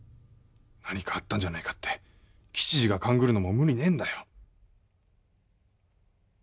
何かあったんじゃないかって吉次が勘ぐるのも無理ねえんだよ。